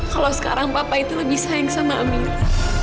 kalau sekarang papa itu lebih sayang sama aminah